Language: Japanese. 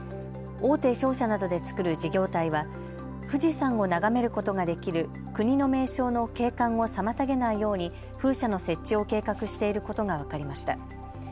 大手商社などで作る事業体は富士山を眺めることができる国の名勝の景観を妨げないように風車の設置を計画していることが分かりました。